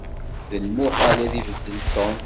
D lmuḥal ad ibeddel Tom.